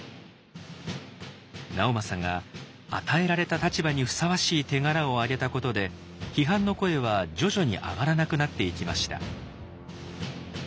直政が与えられた立場にふさわしい手柄をあげたことで批判の声は徐々に上がらなくなっていきました。